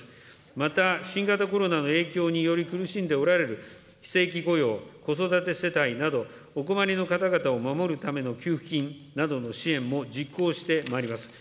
また、新型コロナの影響により苦しんでおられる非正規雇用、子育て世帯など、お困りの方々を守るための給付金などの支援も実行してまいります。